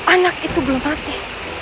anak itu belum mati